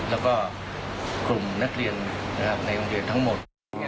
แล้วก็กลุ่มนักเรียนในโรงเรียนทั้งหมด